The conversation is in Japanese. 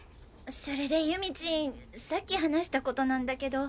それで祐美チンさっき話した事なんだけど。